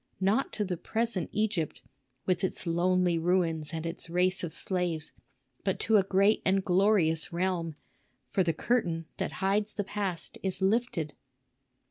Not to the present Egypt, with its lonely ruins and its race of slaves, but to a great and glorious realm; for the curtain that hides the past is lifted."